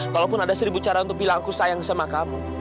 kalaupun ada seribu cara untuk bilang aku sayang sama kamu